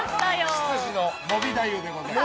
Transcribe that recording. ◆執事ののび太夫でございます。